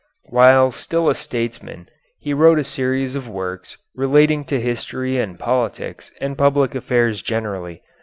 While still a statesman he wrote a series of works relating to history and politics and public affairs generally.